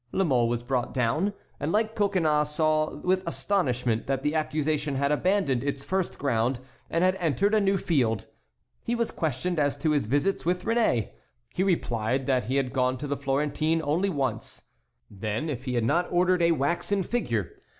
La Mole was brought down, and like Coconnas saw with astonishment that the accusation had abandoned its first ground and had entered a new field. He was questioned as to his visits to Réné. He replied that he had gone to the Florentine only once. Then, if he had not ordered a waxen figure.